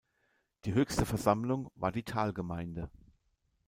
Die höchste Versammlung war die "Talgemeinde".